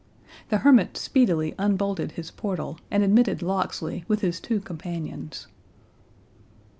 The hermit speedily unbolted his portal, and admitted Locksley, with his two companions.